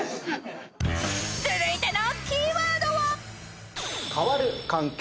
［続いてのキーワードは］